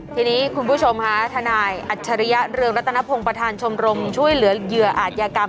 ทีนี้คุณผู้ชมค่ะทนายอัจฉริยะเรืองรัตนพงศ์ประธานชมรมช่วยเหลือเหยื่ออาจยากรรม